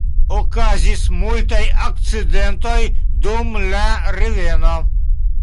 Okazis multaj akcidentoj dum la reveno.